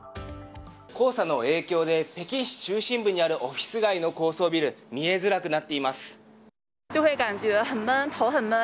黄砂の影響で北京市中心部にあるオフィス街の高層ビル見えづらくなっています。